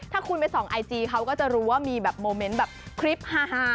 ถ้าคุณไปส่องไอจีเขาก็จะรู้ว่ามีแบบโมเมนต์แบบคลิปฮา